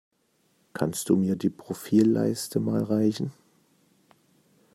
Kannst du mir die Profilleiste mal reichen?